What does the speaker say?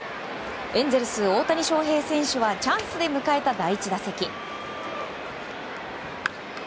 エンゼルス、大谷翔平選手はチャンスで迎えた第１打席。